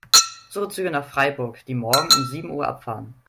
Suche Züge nach Freiburg, die morgen um sieben Uhr abfahren.